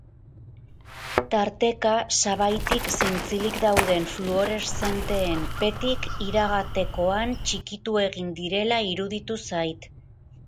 Tarteka sabaitik zintzilik dauden fluoreszenteen petik iragaterakoan txikitu egiten direla iruditu zait.